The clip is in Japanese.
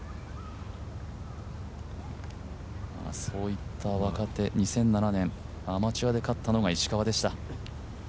そういった若手、２００７年、アマチュアで勝ったのが石川でした。